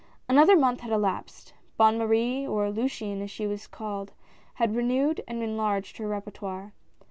Another month had elapsed. Mademoiselle Bonne Marie, or Luciane, as she was called, had renewed and enlarged her repertoire.